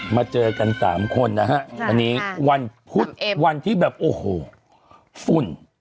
มาเจอกัน๓คนนะฮะวันนี้วันพุธวันที่แบบโอ้โหฝุ่น